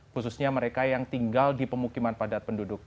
khususnya mereka yang tinggal di pemukiman padat penduduk